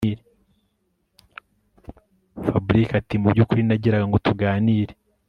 Fabric atimubyukuri nagiraga ngo tuganire